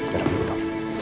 terima kasih al